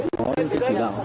có những cái chỉ đạo